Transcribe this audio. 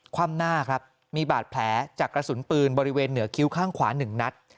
คว่ำหน้าครับมีบาดแผลจากกระสุนปืนบริเวณเหนือคิ้วข้างขวา๑นัด